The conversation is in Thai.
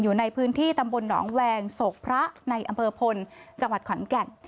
อยู่ในพื้นที่ตำบลหนองแวงโศกพระในอำเภอพลจังหวัดขอนแก่น